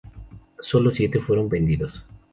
Solo siete fueron vendidos.